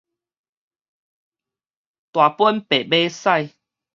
大本白馬屎